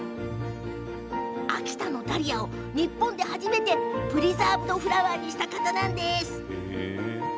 秋田のダリアを日本で初めてプリザーブドフラワーにした方なんです。